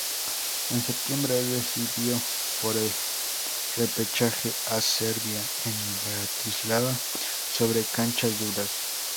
En septiembre recibió por el repechaje a Serbia en Bratislava sobre canchas duras.